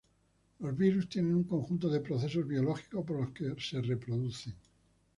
Los virus tienen un conjunto de procesos biológicos por los que se reproducen.